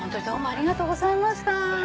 ありがとうございます。